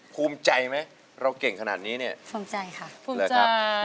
ภูมิใจไหมเราเก่งขนาดนี้เนี่ยภูมิใจค่ะภูมิใจเลยครับ